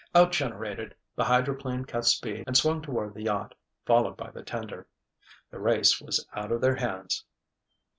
Outgeneraled, the hydroplane cut speed and swung toward the yacht, followed by the tender. The race was out of their hands.